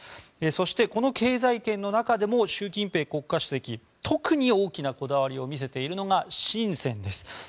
そして、この経済圏の中でも習近平国家主席特に大きなこだわりを見せているのがシンセンです。